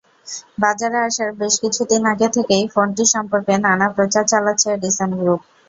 বাজারে আসার বেশ কিছুদিন আগে থেকেই ফোনটি সম্পর্কে নানা প্রচার চালাচ্ছে এডিসন গ্রুপ।